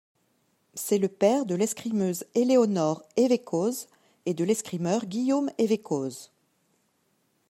C'est le père de l'escrimeuse Éléonore Evéquoz et de l'escrimeur Guillaume Évéquoz.